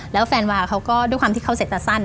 แล้วแฟนวาเขาก็ด้วยความที่เขาเสร็จตาสั้น